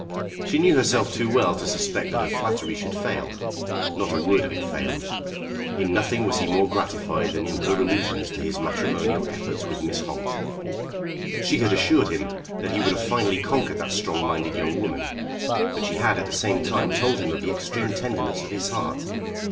She knew herself too well to suspect that her flattery should fail. Not a word of it failed. In nothing was he more gratified than in her allusions to his matrimonial efforts with Miss Holt. She had assured him that he would have finally conquered that strong minded young woman. But she had at the same time told him of the extreme tenderness of his heart.